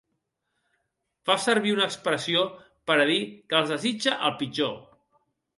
Fa servir una expressió per a dir que els desitja el pitjor.